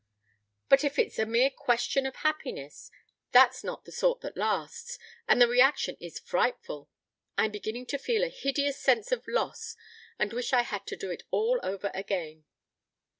But if it's a mere question of happiness, that's not the sort that lasts, and the reaction is frightful. I am beginning to feel a hideous sense of loss and wish I had it to do all over again."